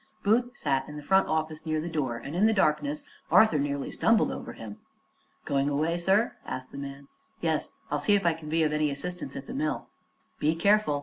Booth sat in the front office, near the door, and in the darkness Arthur nearly stumbled over him. "Going away, sir?" asked the man. "Yes; I'll see if I can be of any assistance at the mill." "Be careful.